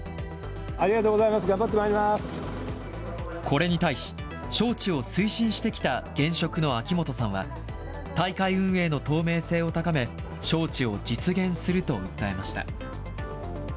ありがとうございます、頑張ってこれに対し、招致を推進してきた現職の秋元さんは、大会運営の透明性を高め、招致を実現すると訴えました。